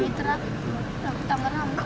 aku sudah ke bung